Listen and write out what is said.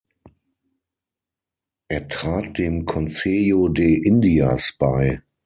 Er trat dem Consejo de Indias bei.